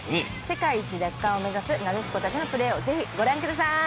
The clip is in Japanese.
世界一奪還を目指すなでしこたちのプレーをぜひご覧ください。